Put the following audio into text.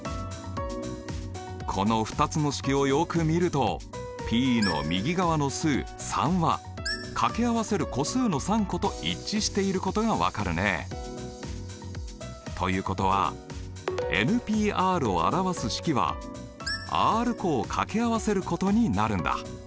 この２つの式をよく見るとＰの右側の数３はかけ合わせる個数の３個と一致していることが分かるね。ということはＰを表す式はｒ個をかけ合わせることになるんだ。